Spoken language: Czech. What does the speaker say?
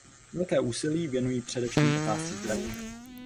Velké úsilí věnuji především otázce zdraví.